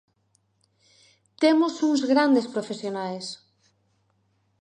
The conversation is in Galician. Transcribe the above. ¡Temos uns grandes profesionais!